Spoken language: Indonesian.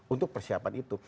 untuk persiapan itu